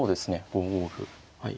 ５五歩はい。